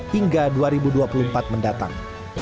hingga dua ribu dua puluh empat mendatang